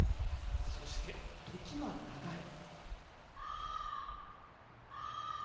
そして時は流れ。